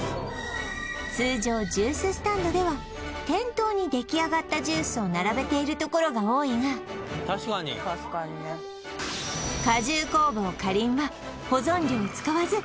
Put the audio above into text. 通常ジューススタンドでは店頭にできあがったジュースを並べているところが多いが確かにね果汁工房果琳は保存料を使わず